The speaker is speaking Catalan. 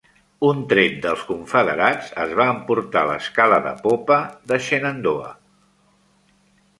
Un tret dels confederats es va emportar l'escala de popa de "Shenandoah".